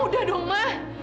udah dong ma